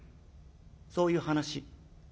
そういう話。